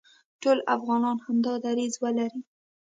ټول افغانان همدا دریځ ولري،